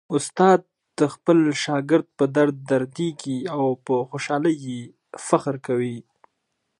استاد د خپل شاګرد په درد دردیږي او په خوشالۍ یې فخر کوي.